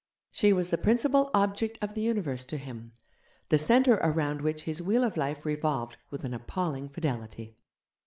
She was the principal object of the universe to him, the centre around which his wheel of life revolved with an appalling fidelity.